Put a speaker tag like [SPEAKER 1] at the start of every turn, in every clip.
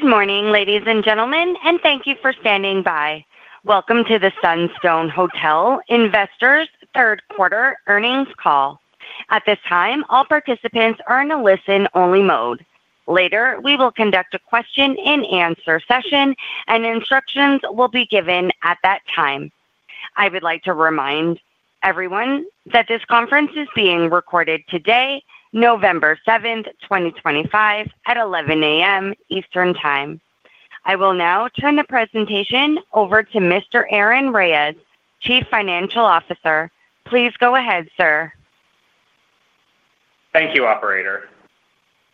[SPEAKER 1] Good morning, ladies and gentlemen, and thank you for standing by. Welcome to the Sunstone Hotel Investors' third-quarter earnings call. At this time, all participants are in a listen-only mode. Later, we will conduct a question-and-answer session, and instructions will be given at that time. I would like to remind everyone that this conference is being recorded today, November 7th, 2025, at 11:00 A.M. Eastern Time. I will now turn the presentation over to Mr. Aaron Reyes, Chief Financial Officer. Please go ahead, sir.
[SPEAKER 2] Thank you, Operator.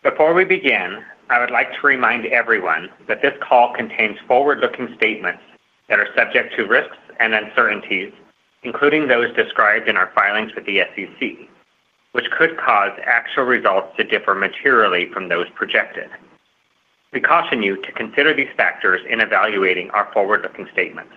[SPEAKER 2] Before we begin, I would like to remind everyone that this call contains forward-looking statements that are subject to risks and uncertainties, including those described in our filings with the SEC, which could cause actual results to differ materially from those projected. We caution you to consider these factors in evaluating our forward-looking statements.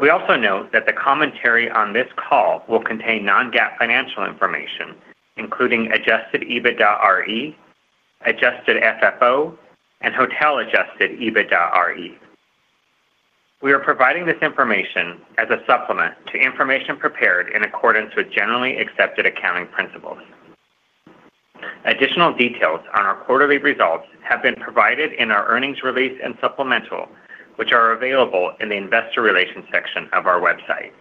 [SPEAKER 2] We also note that the commentary on this call will contain non-GAAP financial information, including adjusted EBITDA RE, adjusted FFO, and hotel-adjusted EBITDA RE. We are providing this information as a supplement to information prepared in accordance with generally accepted accounting principles. Additional details on our quarterly results have been provided in our earnings release and supplemental, which are available in the investor relations section of our website.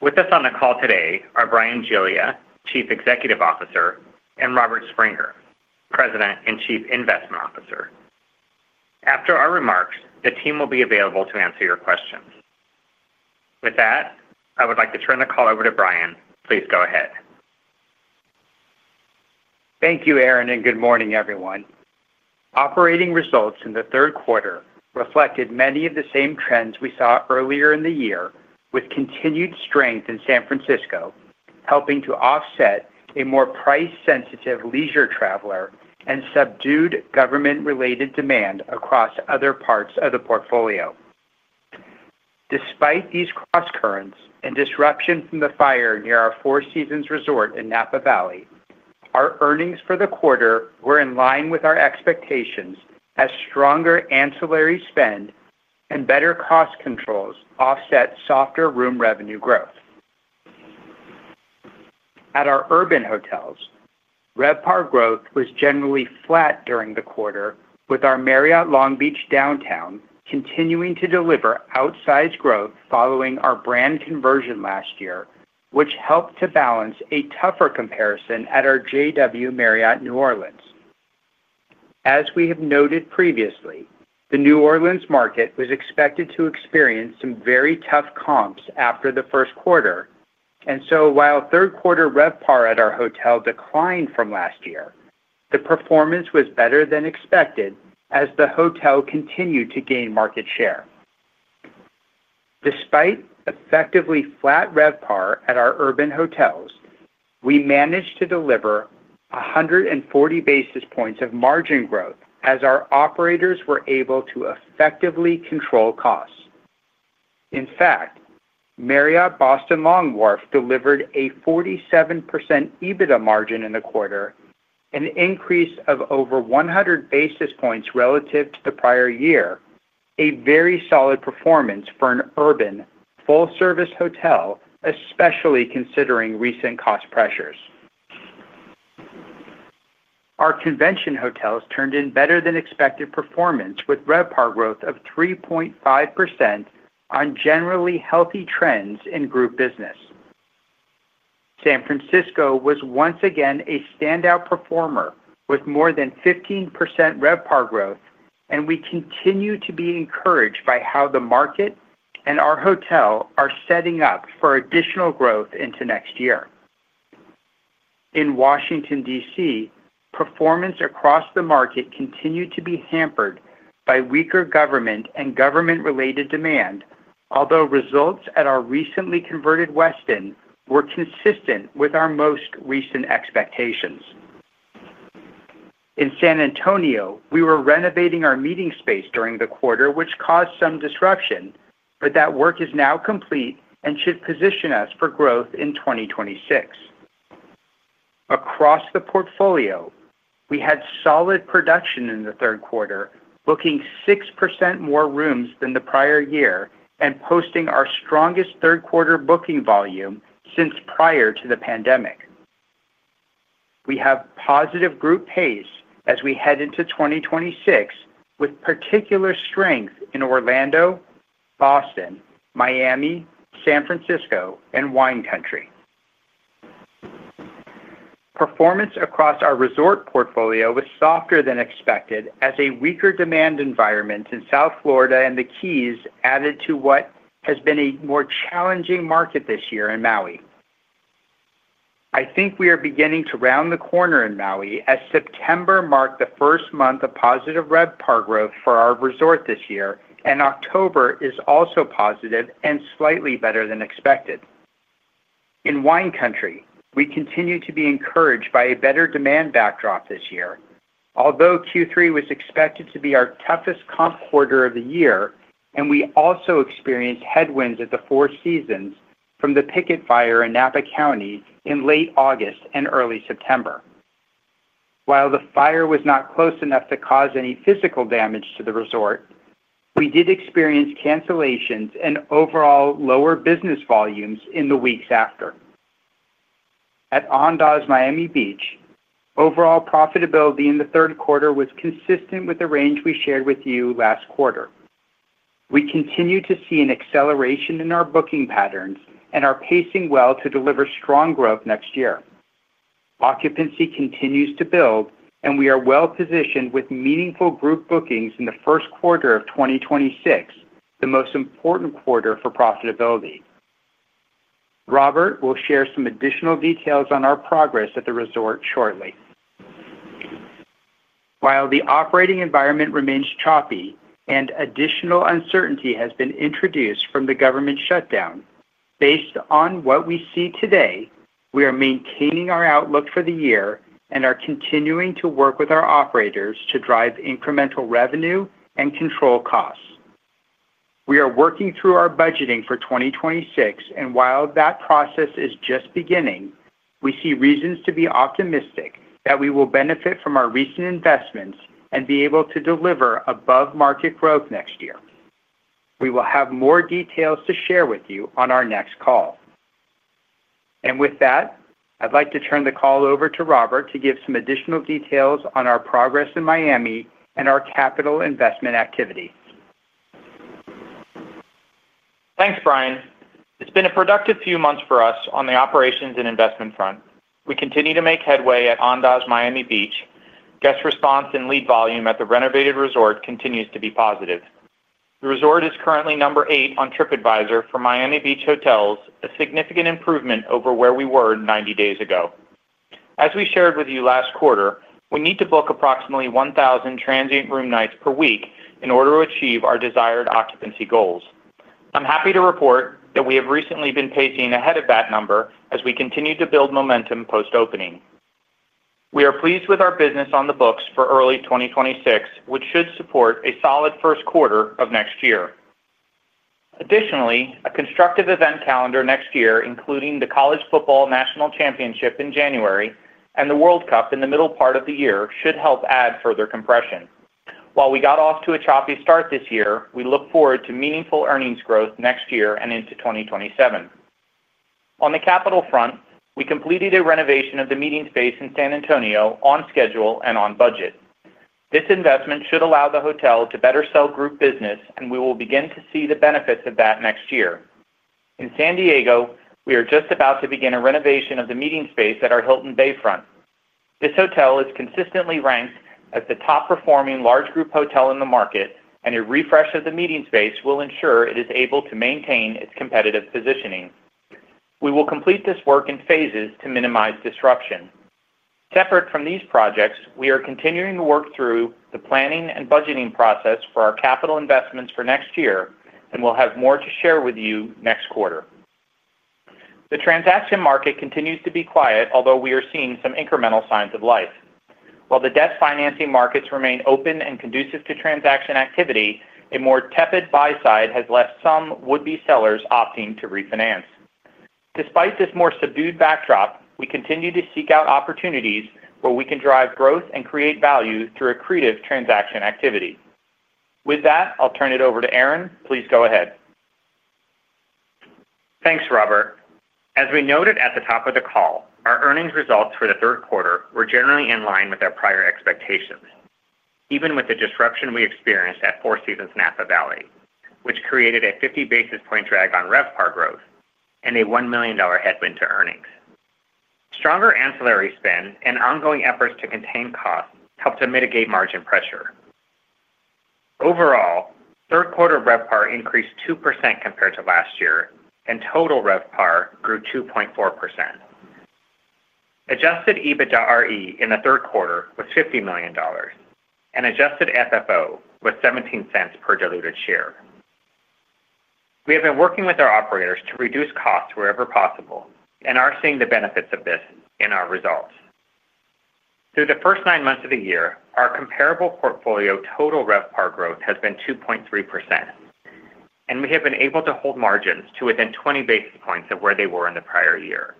[SPEAKER 2] With us on the call today are Bryan Giglia, Chief Executive Officer, and Robert Springer, President and Chief Investment Officer. After our remarks, the team will be available to answer your questions. With that, I would like to turn the call over to Bryan. Please go ahead.
[SPEAKER 3] Thank you, Aaron, and good morning, everyone. Operating results in the third quarter reflected many of the same trends we saw earlier in the year, with continued strength in San Francisco, helping to offset a more price-sensitive leisure traveler and subdued government-related demand across other parts of the portfolio. Despite these cross-currents and disruption from the fire near our Four Seasons Resort in Napa Valley, our earnings for the quarter were in line with our expectations as stronger ancillary spend and better cost controls offset softer room revenue growth. At our urban hotels, RevPAR growth was generally flat during the quarter, with our Marriott Long Beach Downtown continuing to deliver outsized growth following our brand conversion last year, which helped to balance a tougher comparison at our JW Marriott New Orleans. As we have noted previously, the New Orleans market was expected to experience some very tough comps after the first quarter, and so while third-quarter RevPAR at our hotel declined from last year, the performance was better than expected as the hotel continued to gain market share. Despite effectively flat RevPAR at our urban hotels, we managed to deliver 140 basis points of margin growth as our operators were able to effectively control costs. In fact, Marriott Boston Long Wharf delivered a 47% EBITDA margin in the quarter, an increase of over 100 basis points relative to the prior year, a very solid performance for an urban full-service hotel, especially considering recent cost pressures. Our convention hotels turned in better-than-expected performance with RevPAR growth of 3.5% on generally healthy trends in group business. San Francisco was once again a standout performer with more than 15% RevPAR growth, and we continue to be encouraged by how the market and our hotel are setting up for additional growth into next year. In Washington, D.C., performance across the market continued to be hampered by weaker government and government-related demand, although results at our recently converted Westin were consistent with our most recent expectations. In San Antonio, we were renovating our meeting space during the quarter, which caused some disruption, but that work is now complete and should position us for growth in 2026. Across the portfolio, we had solid production in the third quarter, booking 6% more rooms than the prior year and posting our strongest third-quarter booking volume since prior to the pandemic. We have positive group pace as we head into 2026, with particular strength in Orlando, Boston, Miami Beach, San Francisco, and Wine Country. Performance across our resort portfolio was softer than expected as a weaker demand environment in South Florida and the Keys added to what has been a more challenging market this year in Maui. I think we are beginning to round the corner in Maui as September marked the first month of positive RevPAR growth for our resort this year, and October is also positive and slightly better than expected. In Wine Country, we continue to be encouraged by a better demand backdrop this year, although Q3 was expected to be our toughest comp quarter of the year, and we also experienced headwinds at the Four Seasons from the Picket Fire in Napa County in late August and early September. While the fire was not close enough to cause any physical damage to the resort, we did experience cancellations and overall lower business volumes in the weeks after. At Andaz Miami Beach, overall profitability in the third quarter was consistent with the range we shared with you last quarter. We continue to see an acceleration in our booking patterns and are pacing well to deliver strong growth next year. Occupancy continues to build, and we are well-positioned with meaningful group bookings in the first quarter of 2026, the most important quarter for profitability. Robert will share some additional details on our progress at the resort shortly. While the operating environment remains choppy and additional uncertainty has been introduced from the government shutdown, based on what we see today, we are maintaining our outlook for the year and are continuing to work with our operators to drive incremental revenue and control costs. We are working through our budgeting for 2026, and while that process is just beginning, we see reasons to be optimistic that we will benefit from our recent investments and be able to deliver above-market growth next year. We will have more details to share with you on our next call. I would like to turn the call over to Robert to give some additional details on our progress in Miami and our capital investment activity.
[SPEAKER 4] Thanks, Bryan. It's been a productive few months for us on the operations and investment front. We continue to make headway at Andaz Miami Beach. Guest response and lead volume at the renovated resort continues to be positive. The resort is currently number eight on TripAdvisor for Miami Beach hotels, a significant improvement over where we were 90 days ago. As we shared with you last quarter, we need to book approximately 1,000 transient room nights per week in order to achieve our desired occupancy goals. I'm happy to report that we have recently been pacing ahead of that number as we continue to build momentum post-opening. We are pleased with our business on the books for early 2026, which should support a solid first quarter of next year. Additionally, a constructive event calendar next year, including the College Football National Championship in January and the World Cup in the middle part of the year, should help add further compression. While we got off to a choppy start this year, we look forward to meaningful earnings growth next year and into 2027. On the capital front, we completed a renovation of the meeting space in San Antonio on schedule and on budget. This investment should allow the hotel to better sell group business, and we will begin to see the benefits of that next year. In San Diego, we are just about to begin a renovation of the meeting space at our Hilton Bayfront. This hotel is consistently ranked as the top-performing large group hotel in the market, and a refresh of the meeting space will ensure it is able to maintain its competitive positioning. We will complete this work in phases to minimize disruption. Separate from these projects, we are continuing to work through the planning and budgeting process for our capital investments for next year, and we'll have more to share with you next quarter. The transaction market continues to be quiet, although we are seeing some incremental signs of life. While the debt financing markets remain open and conducive to transaction activity, a more tepid buy-side has left some would-be sellers opting to refinance. Despite this more subdued backdrop, we continue to seek out opportunities where we can drive growth and create value through accretive transaction activity. With that, I'll turn it over to Aaron. Please go ahead.
[SPEAKER 2] Thanks, Robert. As we noted at the top of the call, our earnings results for the third quarter were generally in line with our prior expectations, even with the disruption we experienced at Four Seasons Napa Valley, which created a 50 basis point drag on RevPAR growth and a $1 million headwind to earnings. Stronger ancillary spend and ongoing efforts to contain costs helped to mitigate margin pressure. Overall, third-quarter RevPAR increased 2% compared to last year, and total RevPAR grew 2.4%. Adjusted EBITDA RE in the third quarter was $50 million and adjusted FFO was $0.17 per diluted share. We have been working with our operators to reduce costs wherever possible and are seeing the benefits of this in our results. Through the first nine months of the year, our comparable portfolio total RevPAR growth has been 2.3%, and we have been able to hold margins to within 20 basis points of where they were in the prior year.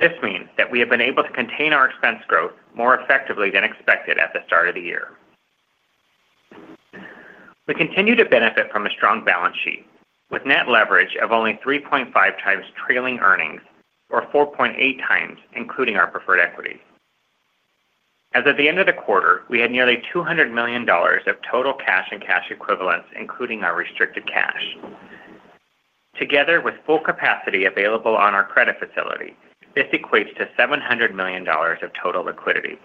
[SPEAKER 2] This means that we have been able to contain our expense growth more effectively than expected at the start of the year. We continue to benefit from a strong balance sheet with net leverage of only 3.5x trailing earnings or 4.8x including our preferred equity. As of the end of the quarter, we had nearly $200 million of total cash and cash equivalents, including our restricted cash. Together with full capacity available on our credit facility, this equates to $700 million of total liquidity.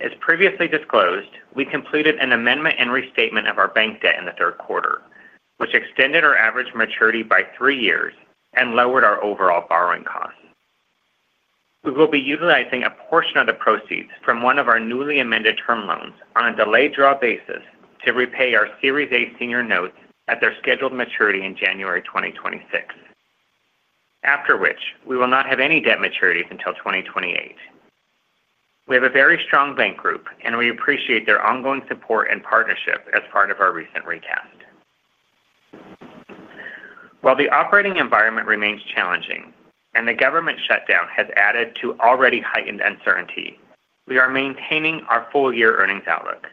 [SPEAKER 2] As previously disclosed, we completed an amendment and restatement of our bank debt in the third quarter, which extended our average maturity by three years and lowered our overall borrowing costs. We will be utilizing a portion of the proceeds from one of our newly amended term loans on a delayed draw basis to repay our Series A senior notes at their scheduled maturity in January 2026, after which we will not have any debt maturities until 2028. We have a very strong bank group, and we appreciate their ongoing support and partnership as part of our recent recap. While the operating environment remains challenging and the government shutdown has added to already heightened uncertainty, we are maintaining our full-year earnings outlook.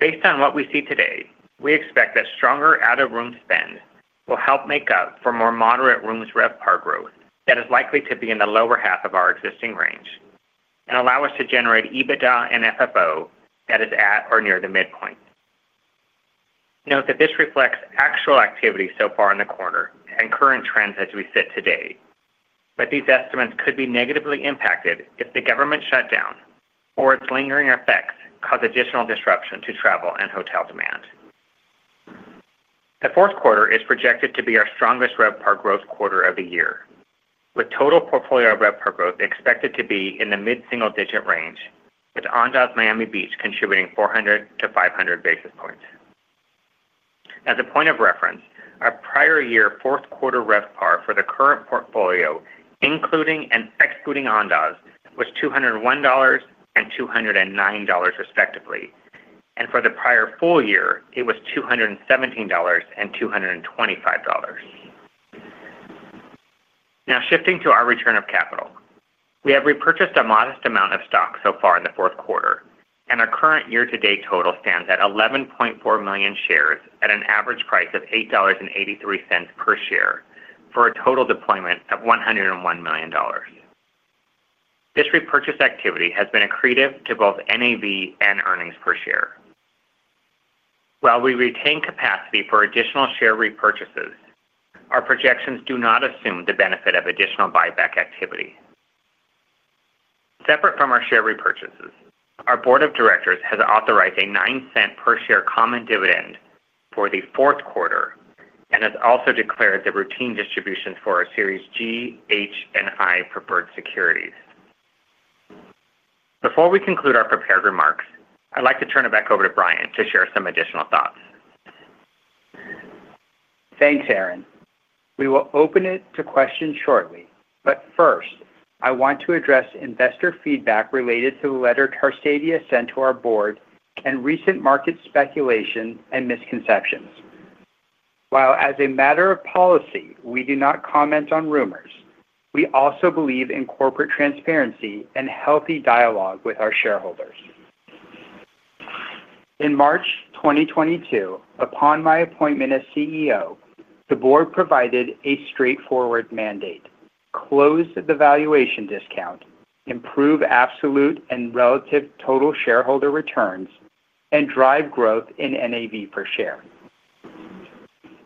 [SPEAKER 2] Based on what we see today, we expect that stronger out-of-room spend will help make up for more moderate rooms RevPAR growth that is likely to be in the lower half of our existing range and allow us to generate EBITDA and FFO that is at or near the midpoint. Note that this reflects actual activity so far in the quarter and current trends as we sit today, but these estimates could be negatively impacted if the government shutdown or its lingering effects cause additional disruption to travel and hotel demand. The fourth quarter is projected to be our strongest RevPAR growth quarter of the year, with total portfolio RevPAR growth expected to be in the mid-single-digit range, with Andaz Miami Beach contributing 400-500 basis points. As a point of reference, our prior year fourth-quarter RevPAR for the current portfolio, including and excluding Andaz Miami Beach, was $201 and $209 respectively, and for the prior full year, it was $217 and $225. Now shifting to our return of capital, we have repurchased a modest amount of stock so far in the fourth quarter, and our current year-to-date total stands at 11.4 million shares at an average price of $8.83 per share for a total deployment of $101 million. This repurchase activity has been accretive to both NAV and earnings per share. While we retain capacity for additional share repurchases, our projections do not assume the benefit of additional buyback activity. Separate from our share repurchases, our board of directors has authorized a $0.09 per share common dividend for the fourth quarter and has also declared the routine distributions for our Series G, H, and I preferred securities. Before we conclude our prepared remarks, I'd like to turn it back over to Bryan to share some additional thoughts.
[SPEAKER 3] Thanks, Aaron. We will open it to questions shortly, but first, I want to address investor feedback related to the letter Tarsadia sent to our board and recent market speculation and misconceptions. While as a matter of policy, we do not comment on rumors, we also believe in corporate transparency and healthy dialogue with our shareholders. In March 2022, upon my appointment as CEO, the board provided a straightforward mandate: close the valuation discount, improve absolute and relative total shareholder returns, and drive growth in NAV per share.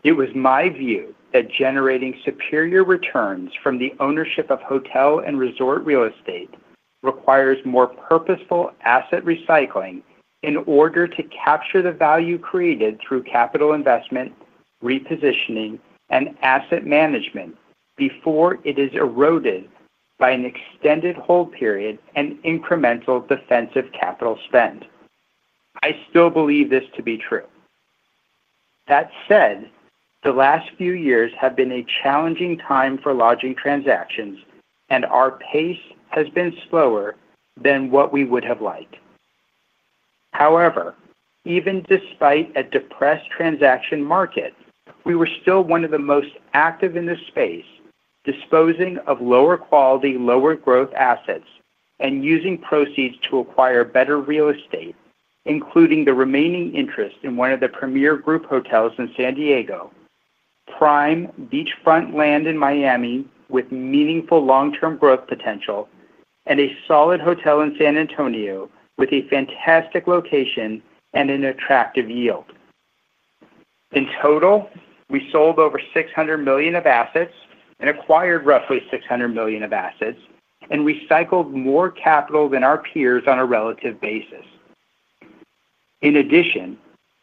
[SPEAKER 3] It was my view that generating superior returns from the ownership of hotel and resort real estate requires more purposeful asset recycling in order to capture the value created through capital investment, repositioning, and asset management before it is eroded by an extended hold period and incremental defensive capital spend. I still believe this to be true. That said, the last few years have been a challenging time for lodging transactions, and our pace has been slower than what we would have liked. However, even despite a depressed transaction market, we were still one of the most active in the space, disposing of lower quality, lower growth assets and using proceeds to acquire better real estate, including the remaining interest in one of the premier group hotels in San Diego, prime beachfront land in Miami with meaningful long-term growth potential, and a solid hotel in San Antonio with a fantastic location and an attractive yield. In total, we sold over $600 million of assets and acquired roughly $600 million of assets and recycled more capital than our peers on a relative basis. In addition,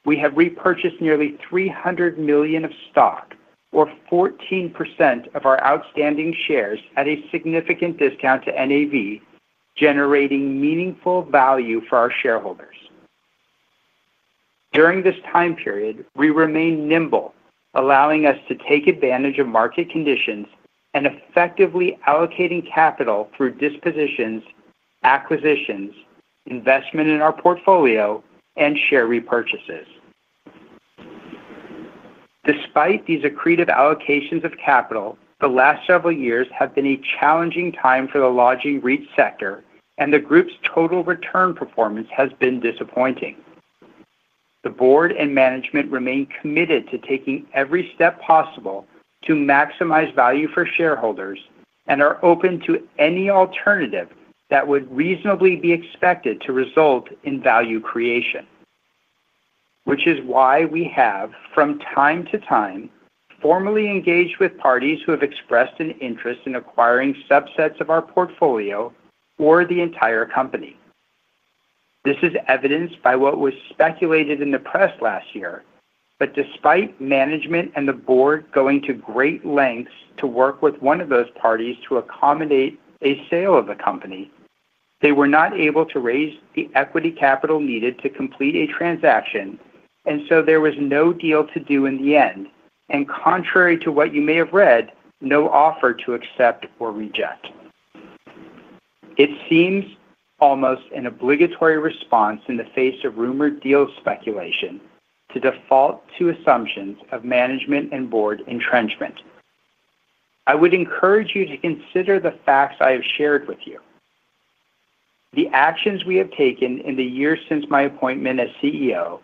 [SPEAKER 3] we have repurchased nearly $300 million of stock, or 14% of our outstanding shares at a significant discount to NAV, generating meaningful value for our shareholders. During this time period, we remained nimble, allowing us to take advantage of market conditions and effectively allocating capital through dispositions, acquisitions, investment in our portfolio, and share repurchases. Despite these accretive allocations of capital, the last several years have been a challenging time for the lodging REIT sector, and the group's total return performance has been disappointing. The Board and management remain committed to taking every step possible to maximize value for shareholders and are open to any alternative that would reasonably be expected to result in value creation, which is why we have, from time to time, formally engaged with parties who have expressed an interest in acquiring subsets of our portfolio or the entire company. This is evidenced by what was speculated in the press last year, but despite management and the board going to great lengths to work with one of those parties to accommodate a sale of the company, they were not able to raise the equity capital needed to complete a transaction, and so there was no deal to do in the end, and contrary to what you may have read, no offer to accept or reject. It seems almost an obligatory response in the face of rumored deal speculation to default to assumptions of management and board entrenchment. I would encourage you to consider the facts I have shared with you. The actions we have taken in the years since my appointment as CEO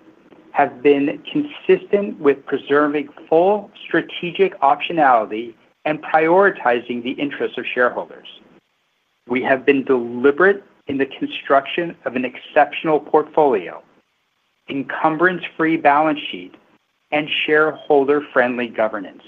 [SPEAKER 3] have been consistent with preserving full strategic optionality and prioritizing the interests of shareholders. We have been deliberate in the construction of an exceptional portfolio, encumbrance-free balance sheet, and shareholder-friendly governance.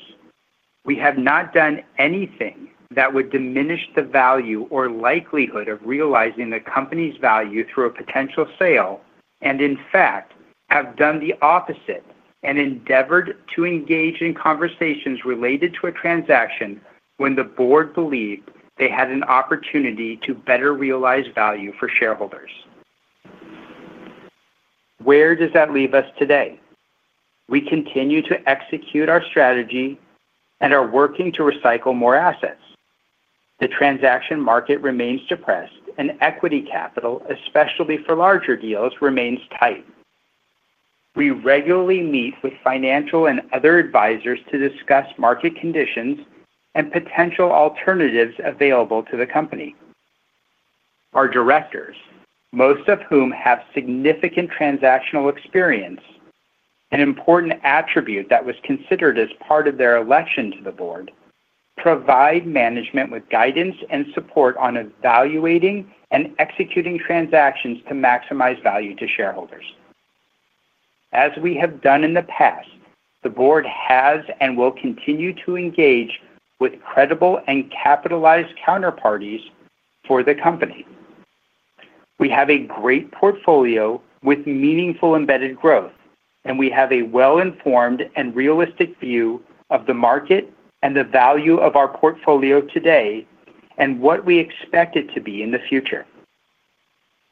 [SPEAKER 3] We have not done anything that would diminish the value or likelihood of realizing the company's value through a potential sale and, in fact, have done the opposite and endeavored to engage in conversations related to a transaction when the board believed they had an opportunity to better realize value for shareholders. Where does that leave us today? We continue to execute our strategy and are working to recycle more assets. The transaction market remains depressed, and equity capital, especially for larger deals, remains tight. We regularly meet with financial and other advisors to discuss market conditions and potential alternatives available to the company. Our directors, most of whom have significant transactional experience, an important attribute that was considered as part of their election to the board, provide management with guidance and support on evaluating and executing transactions to maximize value to shareholders. As we have done in the past, the board has and will continue to engage with credible and capitalized counterparties for the company. We have a great portfolio with meaningful embedded growth, and we have a well-informed and realistic view of the market and the value of our portfolio today and what we expect it to be in the future.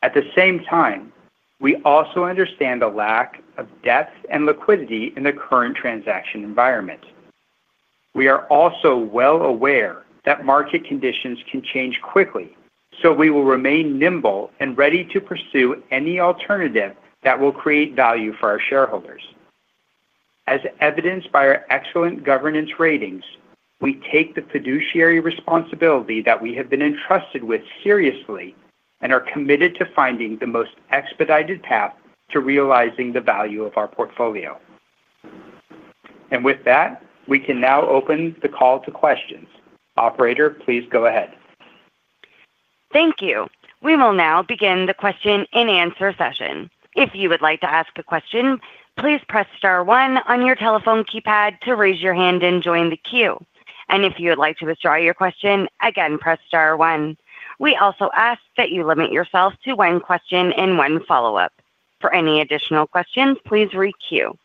[SPEAKER 3] At the same time, we also understand the lack of depth and liquidity in the current transaction environment. We are also well aware that market conditions can change quickly, so we will remain nimble and ready to pursue any alternative that will create value for our shareholders. As evidenced by our excellent governance ratings, we take the fiduciary responsibility that we have been entrusted with seriously and are committed to finding the most expedited path to realizing the value of our portfolio. With that, we can now open the call to questions. Operator, please go ahead.
[SPEAKER 1] Thank you. We will now begin the question and answer session. If you would like to ask a question, please press star one on your telephone keypad to raise your hand and join the queue. If you would like to withdraw your question, again, press star one. We also ask that you limit yourself to one question and one follow-up. For any additional questions, please re-queue.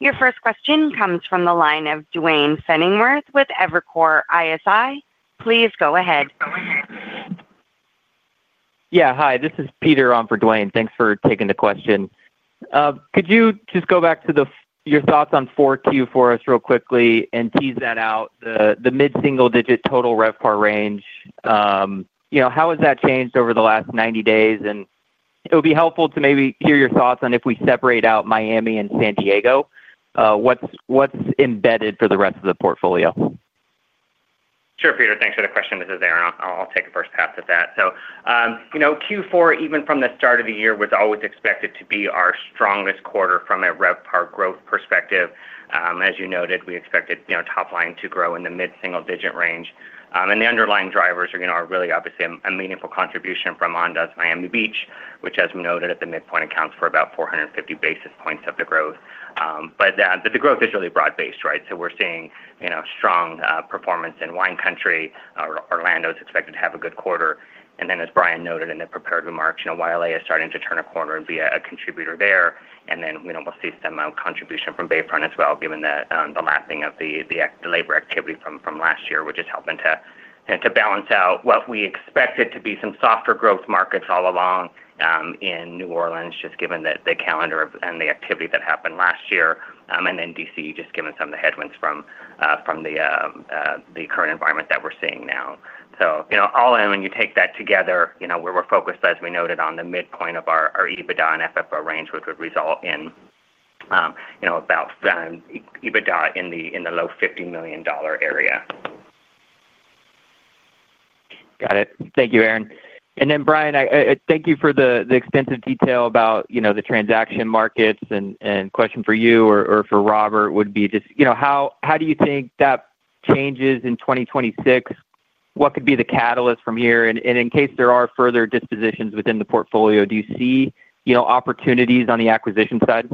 [SPEAKER 1] Your first question comes from the line of Duane Pfennigwerth with Evercore ISI. Please go ahead.
[SPEAKER 5] Yeah, hi. This is Peter on for Dwayne. Thanks for taking the question. Could you just go back to your thoughts on Q4 for us real quickly and tease that out? The mid-single-digit total RevPAR range, how has that changed over the last 90 days? It would be helpful to maybe hear your thoughts on if we separate out Miami and San Diego, what's embedded for the rest of the portfolio?
[SPEAKER 2] Sure, Peter. Thanks for the question. This is Aaron. I'll take a first pass at that. Q4, even from the start of the year, was always expected to be our strongest quarter from a RevPAR growth perspective. As you noted, we expected top line to grow in the mid-single-digit range. The underlying drivers are really, obviously, a meaningful contribution from Andaz Miami Beach, which, as we noted at the midpoint, accounts for about 450 basis points of the growth. The growth is really broad-based, right? We are seeing strong performance in Wine Country. Orlando is expected to have a good quarter. As Bryan noted in the prepared remarks, YLA is starting to turn a corner and be a contributor there. We will see some contribution from Bayfront as well, given the lapping of the labor activity from last year, which is helping to balance out what we expected to be some softer growth markets all along in New Orleans, just given the calendar and the activity that happened last year. DC, just given some of the headwinds from the current environment that we are seeing now. All in, when you take that together, we are focused, as we noted, on the midpoint of our EBITDA and FFO range, which would result in about EBITDA in the low $50 million area.
[SPEAKER 5] Got it. Thank you, Aaron. Thank you for the extensive detail about the transaction markets. Question for you or for Robert would be just how do you think that changes in 2026? What could be the catalyst from here? In case there are further dispositions within the portfolio, do you see opportunities on the acquisition side?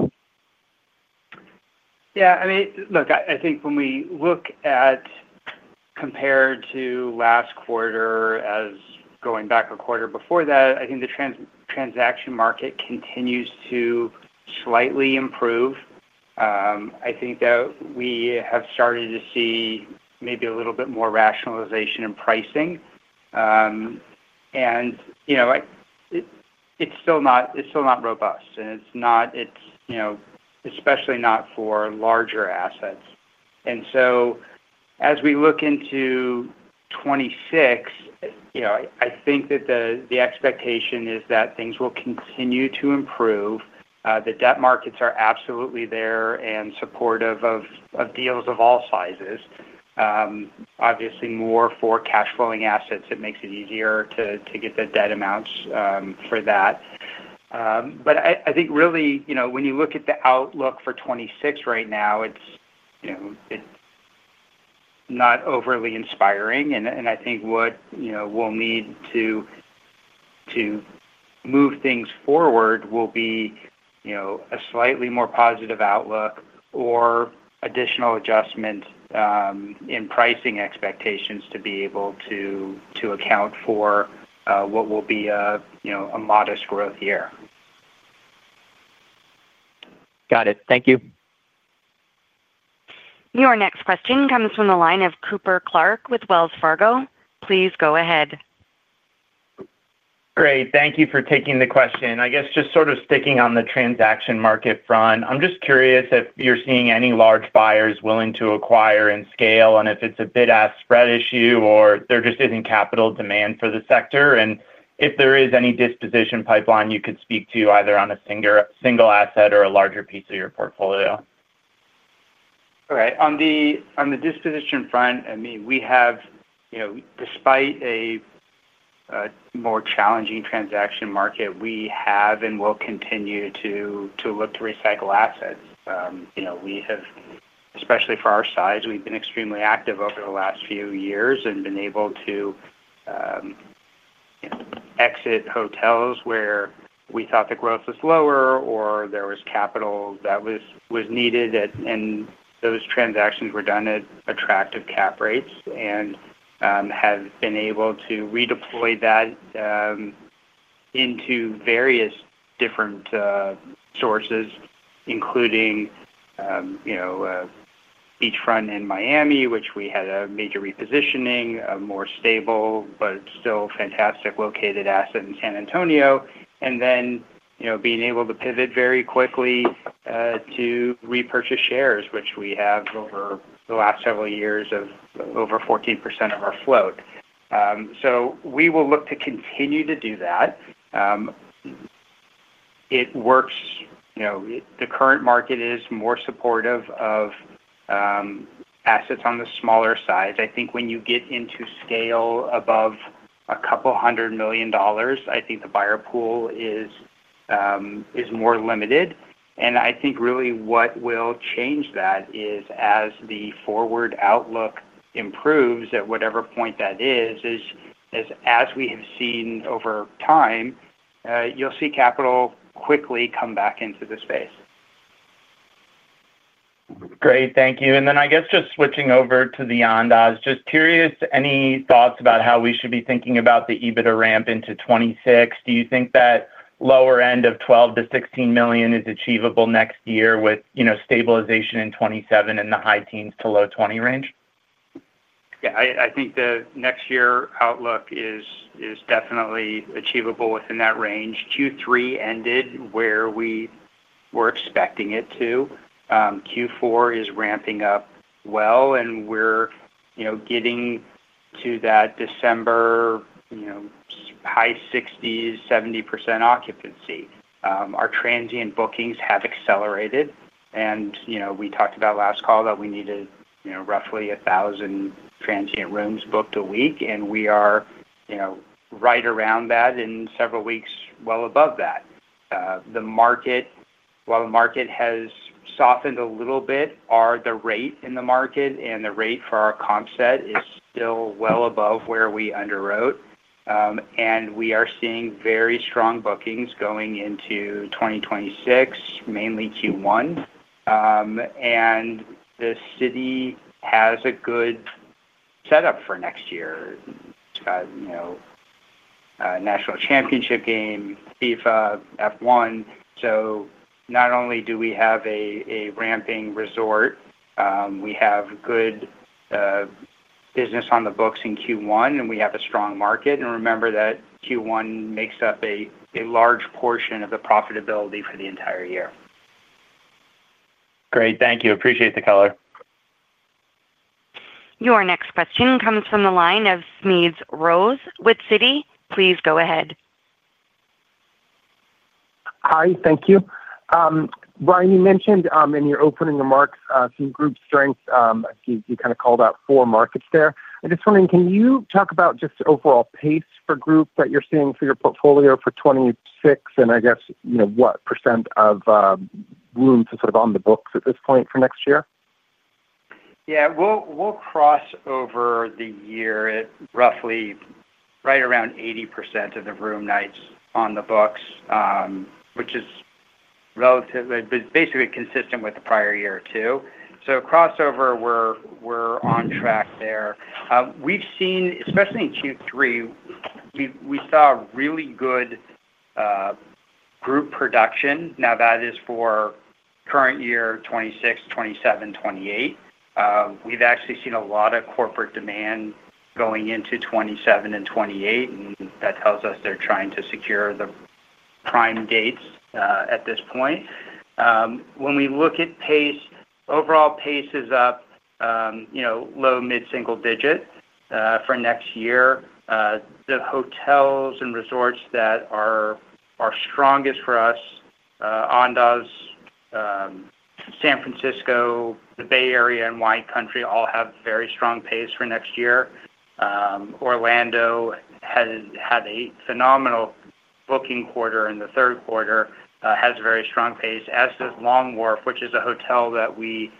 [SPEAKER 3] Yeah. I mean, look, I think when we look at compared to last quarter, as going back a quarter before that, I think the transaction market continues to slightly improve. I think that we have started to see maybe a little bit more rationalization in pricing. It is still not robust, and it is especially not for larger assets. As we look into 2026, I think that the expectation is that things will continue to improve. The debt markets are absolutely there and supportive of deals of all sizes. Obviously, more for cash-flowing assets, it makes it easier to get the debt amounts for that. I think really, when you look at the outlook for 2026 right now, it is not overly inspiring. I think what we'll need to move things forward will be a slightly more positive outlook or additional adjustment in pricing expectations to be able to account for what will be a modest growth year.
[SPEAKER 5] Got it. Thank you.
[SPEAKER 1] Your next question comes from the line of Cooper Clark with Wells Fargo. Please go ahead.
[SPEAKER 6] Great. Thank you for taking the question. I guess just sort of sticking on the transaction market front, I'm just curious if you're seeing any large buyers willing to acquire and scale, and if it's a bid-ask spread issue or there just isn't capital demand for the sector. If there is any disposition pipeline you could speak to, either on a single asset or a larger piece of your portfolio.
[SPEAKER 3] All right. On the disposition front, I mean, we have, despite a more challenging transaction market, we have and will continue to look to recycle assets. Especially for our size, we have been extremely active over the last few years and been able to exit hotels where we thought the growth was lower or there was capital that was needed, and those transactions were done at attractive cap rates and have been able to redeploy that into various different sources, including Beachfront in Miami, which we had a major repositioning, a more stable but still fantastic located asset in San Antonio, and then being able to pivot very quickly to repurchase shares, which we have over the last several years of over 14% of our float. We will look to continue to do that. It works. The current market is more supportive of assets on the smaller side. I think when you get into scale above a couple hundred million dollars, I think the buyer pool is more limited. I think really what will change that is as the forward outlook improves at whatever point that is, as we have seen over time, you'll see capital quickly come back into the space.
[SPEAKER 6] Great. Thank you. I guess just switching over to the Andaz, just curious, any thoughts about how we should be thinking about the EBITDA ramp into 2026? Do you think that lower end of $12 million-$16 million is achievable next year with stabilization in 2027 in the high teens to low $20 million range?
[SPEAKER 3] Yeah. I think the next year outlook is definitely achievable within that range. Q3 ended where we were expecting it to. Q4 is ramping up well, and we are getting to that December high 60s-70% occupancy. Our transient bookings have accelerated. We talked about last call that we needed roughly 1,000 transient rooms booked a week, and we are right around that and several weeks well above that. While the market has softened a little bit, the rate in the market and the rate for our comp set is still well above where we underwrote. We are seeing very strong bookings going into 2026, mainly Q1. The city has a good setup for next year. It has a national championship game, FIFA, F1. Not only do we have a ramping resort, we have good business on the books in Q1, and we have a strong market. Remember that Q1 makes up a large portion of the profitability for the entire year.
[SPEAKER 6] Great. Thank you. Appreciate the color.
[SPEAKER 1] Your next question comes from the line of Smedes Rose with Citi. Please go ahead.
[SPEAKER 7] Hi. Thank you. Bryan, you mentioned in your opening remarks some group strengths. You kind of called out four markets there. I'm just wondering, can you talk about just overall pace for groups that you're seeing for your portfolio for 2026? I guess what percent of rooms is sort of on the books at this point for next year?
[SPEAKER 3] Yeah. We'll cross over the year at roughly right around 80% of the room nights on the books, which is basically consistent with the prior year too. Crossover, we're on track there. We've seen, especially in Q3, we saw really good group production. Now, that is for current year, 2026, 2027, 2028. We've actually seen a lot of corporate demand going into 2027 and 2028, and that tells us they're trying to secure the prime dates at this point. When we look at pace, overall pace is up, low, mid-single digit for next year. The hotels and resorts that are strongest for us, Andaz, San Francisco, the Bay Area, and Wine Country all have very strong pace for next year. Orlando had a phenomenal booking quarter in the third quarter, has a very strong pace, as does Long Wharf, which is a hotel that we,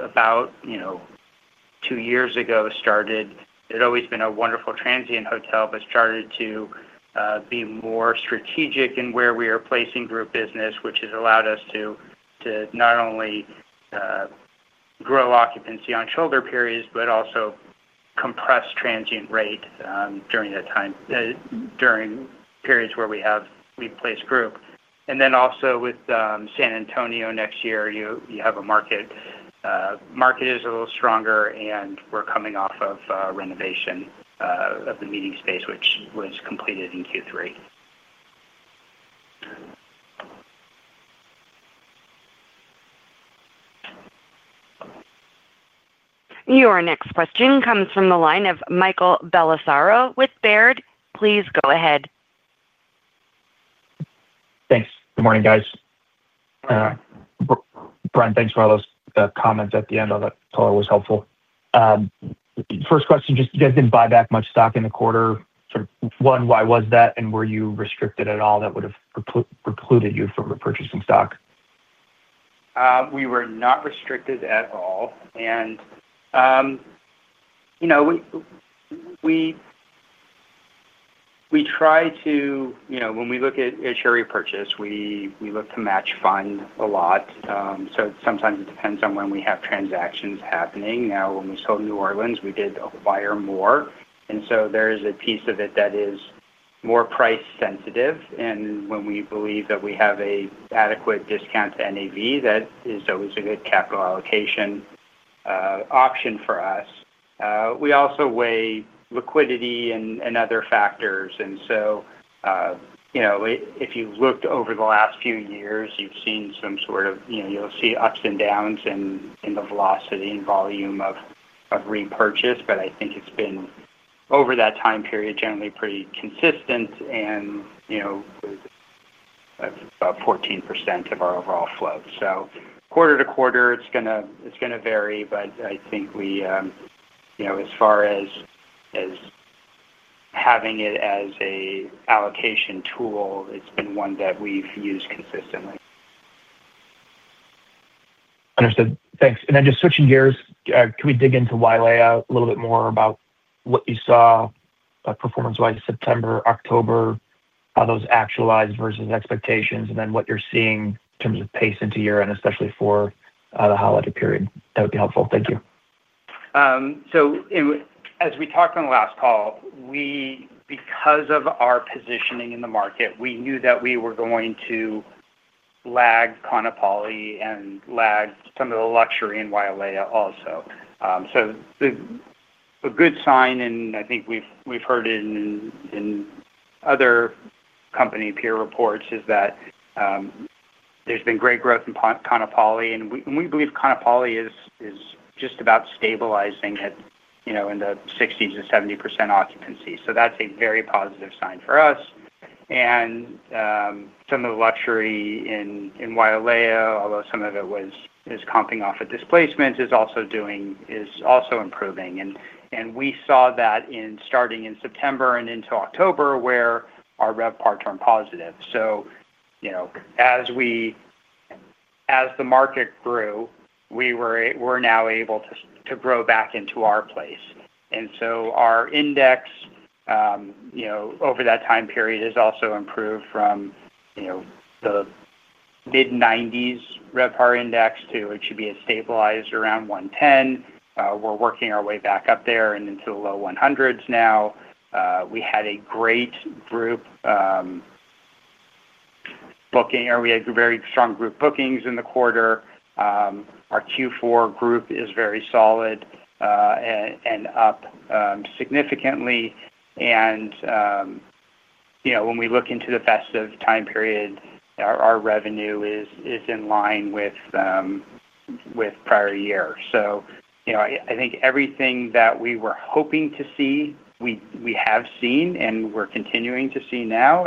[SPEAKER 3] about two years ago, started. It had always been a wonderful transient hotel, but started to be more strategic in where we are placing group business, which has allowed us to not only grow occupancy on shoulder periods, but also compress transient rate during periods where we place group. Also with San Antonio next year, you have a market. Market is a little stronger, and we're coming off of renovation of the meeting space, which was completed in Q3.
[SPEAKER 1] Your next question comes from the line of Michael Bellisario with Baird. Please go ahead.
[SPEAKER 8] Thanks. Good morning, guys. Bryan, thanks for all those comments at the end. I thought that was helpful. First question, just you guys did not buy back much stock in the quarter. One, why was that? Were you restricted at all that would have precluded you from purchasing stock?
[SPEAKER 3] We were not restricted at all. We try to, when we look at share repurchase, we look to match fund a lot. Sometimes it depends on when we have transactions happening. Now, when we sold New Orleans, we did acquire more. There is a piece of it that is more price-sensitive. When we believe that we have an adequate discount to NAV, that is always a good capital allocation option for us. We also weigh liquidity and other factors. If you looked over the last few years, you've seen some sort of, you'll see ups and downs in the velocity and volume of repurchase. I think it's been, over that time period, generally pretty consistent and about 14% of our overall float. quarter-to-quarter, it's going to vary. I think we, as far as having it as an allocation tool, it's been one that we've used consistently.
[SPEAKER 8] Understood. Thanks. Just switching gears, can we dig into YLA a little bit more about what you saw performance-wise September, October, how those actualized versus expectations, and then what you're seeing in terms of pace into year-end, especially for the holiday period? That would be helpful. Thank you.
[SPEAKER 3] As we talked on the last call, because of our positioning in the market, we knew that we were going to lag Kaanapali and lag some of the luxury in Wailea also. A good sign, and I think we've heard it in other company peer reports, is that there's been great growth in Kaanapali. We believe Kaanapali is just about stabilizing in the 60%-70% occupancy. That's a very positive sign for us. Some of the luxury in Wailea, although some of it was comping off of displacement, is also improving. We saw that starting in September and into October where our RevPARs are positive. As the market grew, we were now able to grow back into our place. Our index over that time period has also improved from the mid-90s RevPAR index to, it should be stabilized around 110. We are working our way back up there and into the low 100s now. We had a great group booking, or we had very strong group bookings in the quarter. Our Q4 group is very solid and up significantly. When we look into the festive time period, our revenue is in line with prior year. I think everything that we were hoping to see, we have seen and we are continuing to see now.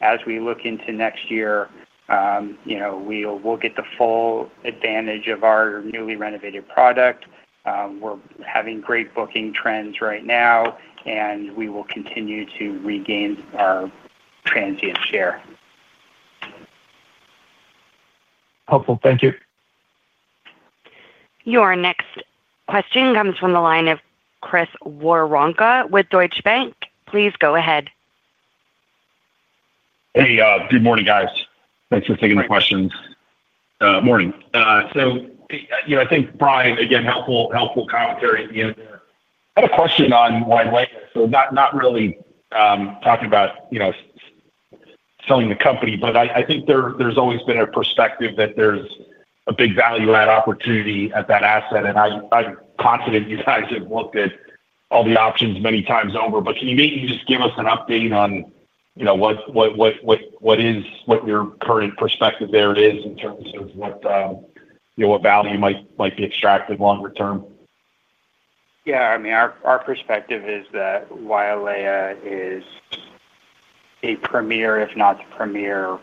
[SPEAKER 3] As we look into next year, we will get the full advantage of our newly renovated product. We are having great booking trends right now, and we will continue to regain our transient share.
[SPEAKER 8] Helpful. Thank you.
[SPEAKER 1] Your next question comes from the line of Chris Woronka with Deutsche Bank. Please go ahead.
[SPEAKER 9] Hey, good morning, guys. Thanks for taking the questions. Morning. I think, Bryan, again, helpful commentary at the end there. I had a question on YLA. Not really talking about selling the company, but I think there's always been a perspective that there's a big value-add opportunity at that asset. I'm confident you guys have looked at all the options many times over. Can you maybe just give us an update on what your current perspective there is in terms of what value might be extracted longer term?
[SPEAKER 3] Yeah. I mean, our perspective is that YLA is a premier, if not the premier,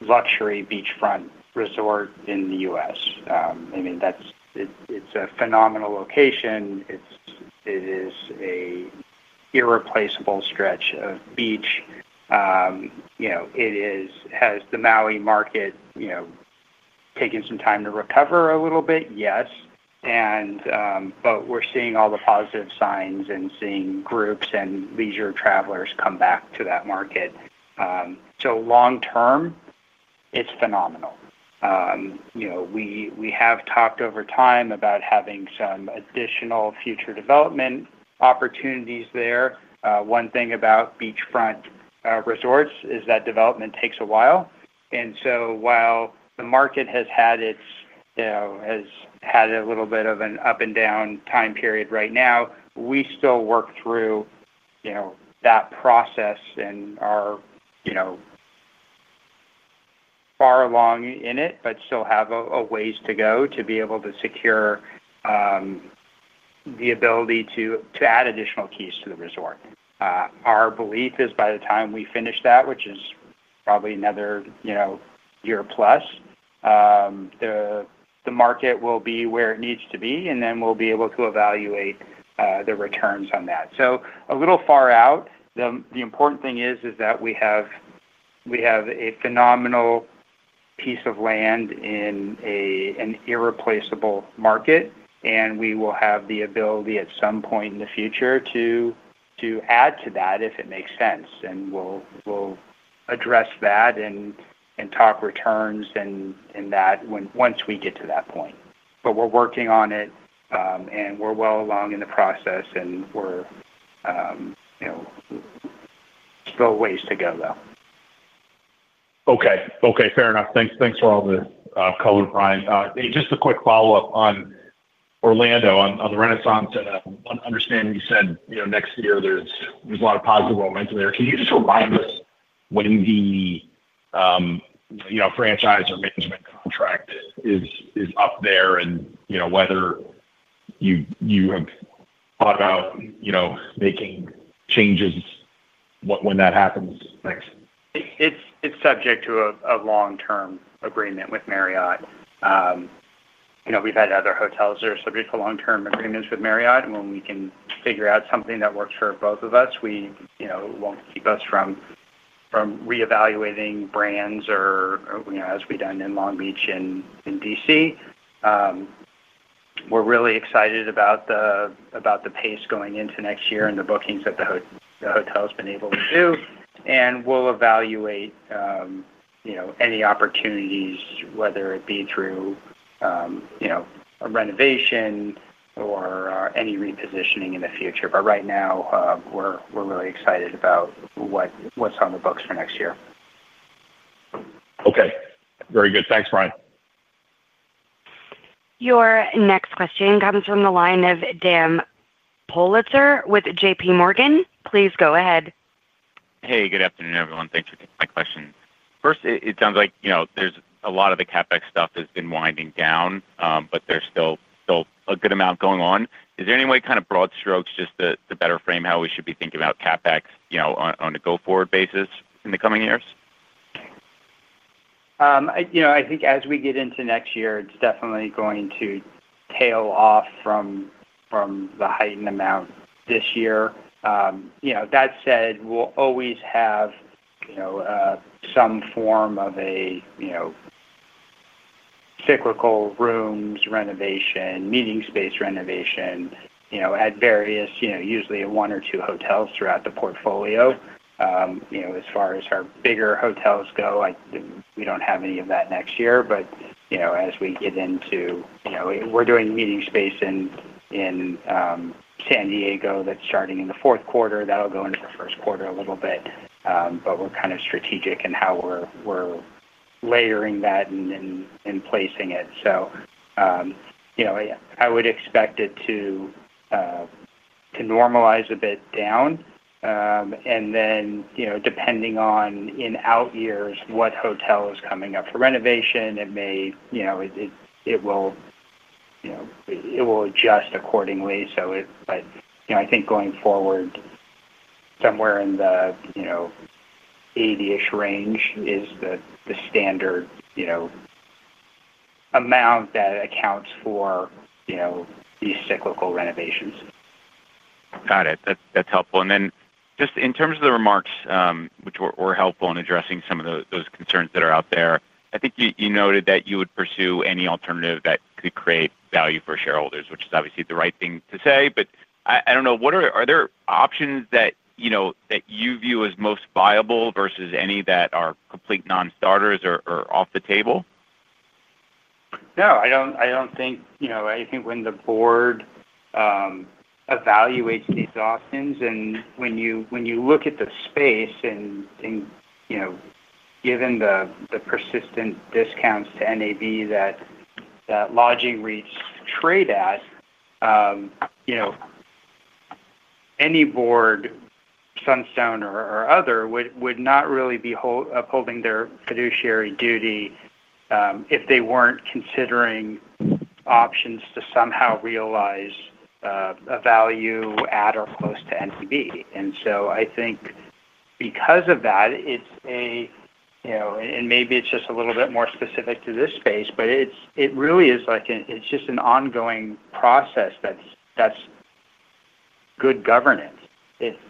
[SPEAKER 3] luxury beachfront resort in the U.S. I mean, it's a phenomenal location. It is an irreplaceable stretch of beach. Has the Maui market taken some time to recover a little bit? Yes. But we're seeing all the positive signs and seeing groups and leisure travelers come back to that market. Long term, it's phenomenal. We have talked over time about having some additional future development opportunities there. One thing about beachfront resorts is that development takes a while. While the market has had a little bit of an up and down time period right now, we still work through that process and are far along in it, but still have a ways to go to be able to secure the ability to add additional keys to the resort. Our belief is by the time we finish that, which is probably another year plus, the market will be where it needs to be, and then we'll be able to evaluate the returns on that. A little far out, the important thing is that we have a phenomenal piece of land in an irreplaceable market, and we will have the ability at some point in the future to add to that if it makes sense. We will address that and talk returns once we get to that point. We are working on it, and we are well along in the process, and there are still ways to go, though.
[SPEAKER 9] Okay. Okay. Fair enough. Thanks for all the color, Bryan. Just a quick follow-up on Orlando, on the Renaissance. I understand you said next year there's a lot of positive momentum there. Can you just remind us when the franchise or management contract is up there and whether you have thought about making changes when that happens? Thanks.
[SPEAKER 3] It's subject to a long-term agreement with Marriott. We've had other hotels that are subject to long-term agreements with Marriott. When we can figure out something that works for both of us, we won't keep us from reevaluating brands or, as we've done in Long Beach and in D.C. We're really excited about the pace going into next year and the bookings that the hotel has been able to do. We'll evaluate any opportunities, whether it be through a renovation or any repositioning in the future. Right now, we're really excited about what's on the books for next year.
[SPEAKER 9] Okay. Very good. Thanks, Bryan.
[SPEAKER 1] Your next question comes from the line of Dan Politzer with JP Morgan. Please go ahead.
[SPEAKER 10] Hey, good afternoon, everyone. Thanks for taking my question. First, it sounds like there's a lot of the CapEx stuff has been winding down, but there's still a good amount going on. Is there any way kind of broad strokes, just to better frame how we should be thinking about CapEx on a go-forward basis in the coming years?
[SPEAKER 3] I think as we get into next year, it's definitely going to tail off from the heightened amount this year. That said, we'll always have some form of a cyclical rooms renovation, meeting space renovation at various, usually one or two hotels throughout the portfolio. As far as our bigger hotels go, we do not have any of that next year. As we get into it, we are doing meeting space in San Diego that is starting in the fourth quarter. That will go into the first quarter a little bit. We are kind of strategic in how we are layering that and placing it. I would expect it to normalize a bit down. Depending on in-out years, what hotel is coming up for renovation, it will adjust accordingly. I think going forward, somewhere in the $80 million-ish range is the standard amount that accounts for these cyclical renovations.
[SPEAKER 10] Got it. That's helpful. In terms of the remarks, which were helpful in addressing some of those concerns that are out there, I think you noted that you would pursue any alternative that could create value for shareholders, which is obviously the right thing to say. I don't know, are there options that you view as most viable versus any that are complete non-starters or off the table?
[SPEAKER 3] No. I don't think anything when the board evaluates these options. When you look at the space and given the persistent discounts to NAV that lodging rates trade at, any board, Sunstone or other, would not really be upholding their fiduciary duty if they weren't considering options to somehow realize a value add or close to NAV. I think because of that, it's a and maybe it's just a little bit more specific to this space, but it really is like it's just an ongoing process that's good governance. It's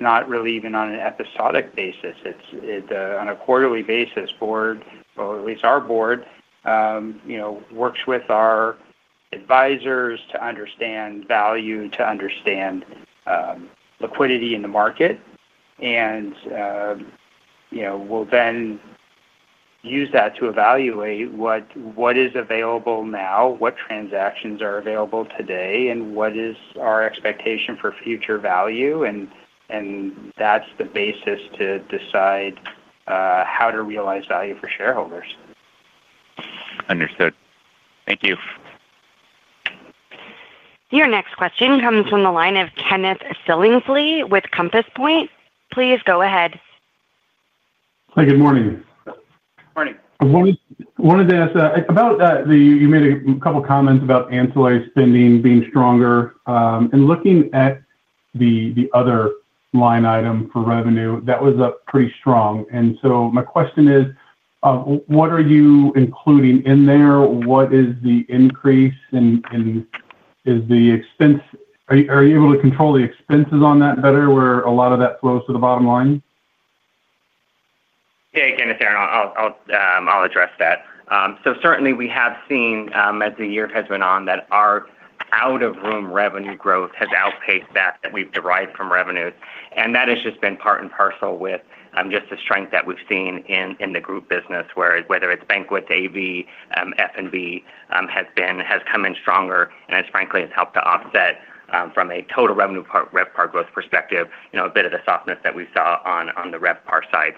[SPEAKER 3] not really even on an episodic basis. On a quarterly basis, board, or at least our board, works with our advisors to understand value, to understand liquidity in the market. We'll then use that to evaluate what is available now, what transactions are available today, and what is our expectation for future value. That's the basis to decide how to realize value for shareholders.
[SPEAKER 10] Understood. Thank you.
[SPEAKER 1] Your next question comes from the line of Kenneth Billingsley with Compass Point. Please go ahead.
[SPEAKER 11] Hi, good morning.
[SPEAKER 3] Good morning.
[SPEAKER 11] I wanted to ask about you made a couple of comments about ancillary spending being stronger. Looking at the other line item for revenue, that was up pretty strong. My question is, what are you including in there? What is the increase in, is the expense? Are you able to control the expenses on that better where a lot of that flows to the bottom line?
[SPEAKER 2] Yeah. Again, I'll address that. Certainly, we have seen as the year has gone on that our out-of-room revenue growth has outpaced that that we've derived from rooms revenues. That has just been part and parcel with the strength that we've seen in the group business, whether it's Banquet, AV, F&B, has come in stronger. It has frankly helped to offset, from a total revenue part, RevPAR growth perspective, a bit of the softness that we saw on the RevPAR side.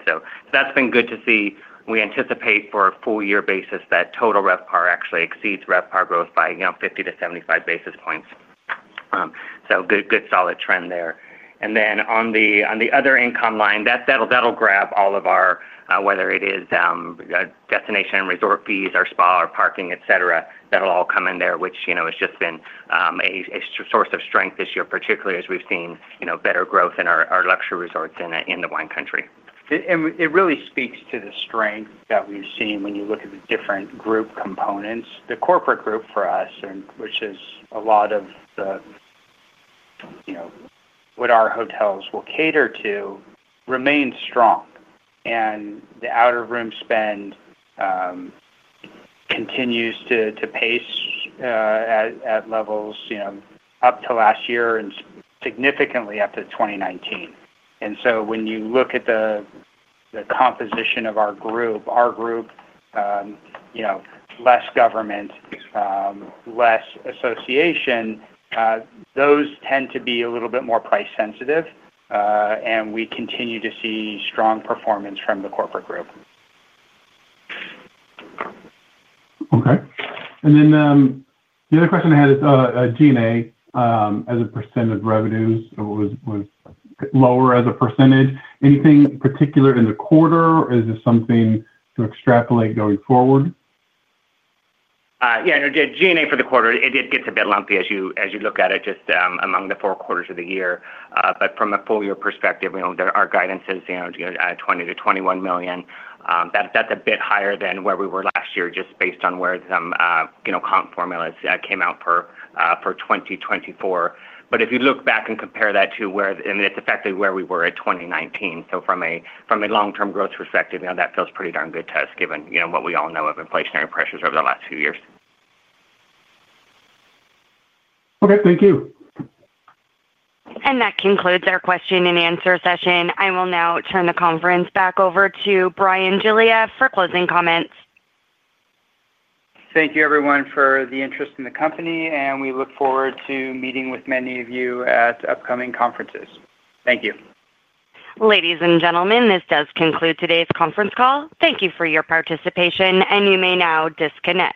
[SPEAKER 2] That has been good to see. We anticipate for a full-year basis that total RevPAR actually exceeds RevPAR growth by 50-75 basis points. Good solid trend there. On the other income line, that'll grab all of our, whether it is destination and resort fees or spa or parking, etc., that'll all come in there, which has just been a source of strength this year, particularly as we've seen better growth in our luxury resorts in the wine country.
[SPEAKER 3] It really speaks to the strength that we've seen when you look at the different group components. The corporate group for us, which is a lot of what our hotels will cater to, remains strong. The out-of-room spend continues to pace at levels up to last year and significantly up to 2019. When you look at the composition of our group, our group, less government, less association, those tend to be a little bit more price sensitive. We continue to see strong performance from the corporate group.
[SPEAKER 11] Okay. The other question I had is G&A as a percent of revenues was lower as a percentage. Anything particular in the quarter? Is this something to extrapolate going forward?
[SPEAKER 2] Yeah. G&A for the quarter, it gets a bit lumpy as you look at it just among the four quarters of the year. From a full-year perspective, our guidance is $20 million-$21 million. That's a bit higher than where we were last year just based on where some comp formulas came out for 2024. If you look back and compare that to where it's effectively where we were at 2019. From a long-term growth perspective, that feels pretty darn good to us given what we all know of inflationary pressures over the last few years.
[SPEAKER 11] Okay. Thank you.
[SPEAKER 1] That concludes our question-and-answer session. I will now turn the conference back over to Bryan Giglia for closing comments.
[SPEAKER 3] Thank you, everyone, for the interest in the company. We look forward to meeting with many of you at upcoming conferences. Thank you.
[SPEAKER 1] Ladies and gentlemen, this does conclude today's conference call. Thank you for your participation. You may now disconnect.